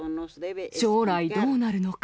将来どうなるのか、